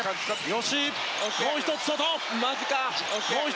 吉井、もう１つ外。